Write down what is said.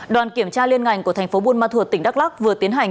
đoàn kiểm tra liên ngành của thành phố buôn ma thuột tỉnh đắk lắc vừa tiến hành